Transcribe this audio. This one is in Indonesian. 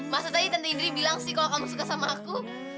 masa tadi tentu indri bilang sih kalau kamu suka sama aku